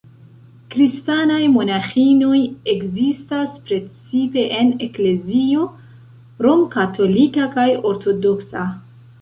Kristanaj monaĥinoj ekzistas precipe en eklezio romkatolika kaj ortodoksa.